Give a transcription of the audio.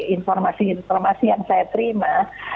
informasi informasi yang saya terima